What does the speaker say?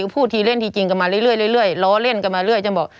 พูดทีเล่นทีจริงกันมาเรื่อยล้อเล่นกันมาเรื่อยจนบอก